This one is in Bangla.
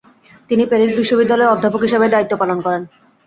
তিনি প্যারিস বিশ্ববিদ্যালয়ে অধ্যাপক হিসেবে দায়িত্ব পালন করেন।